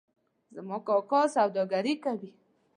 زما کاکا سوداګري کوي